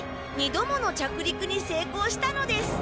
２度もの着陸に成功したのです。